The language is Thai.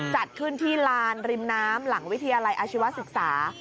จัดขึ้นที่ลานริมน้ำหลังวิทยาลัยอาชีวศึกษา